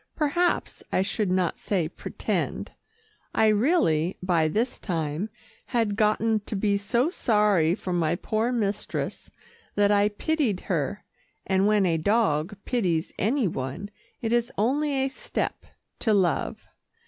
Perhaps I should not say pretend. I really, by this time, had gotten to be so sorry for my poor mistress, that I pitied her and when a dog pities any one, it is only a step to love.